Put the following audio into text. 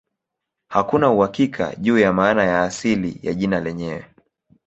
Hakuna uhakika juu ya maana ya asili ya jina lenyewe.